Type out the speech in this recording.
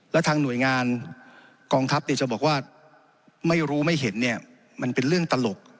แล้วทางหน่วยงานกองทัพจะบอกว่าไม่รู้ไม่เห็นเนี่ยมันเป็นเรื่องตลก